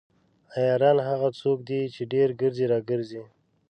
عیاران هغه څوک دي چې ډیر ګرځي راګرځي.